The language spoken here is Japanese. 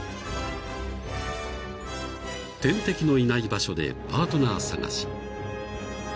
［天敵のいない場所でパートナー探し］